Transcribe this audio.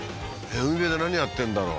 海辺で何やってんだろう？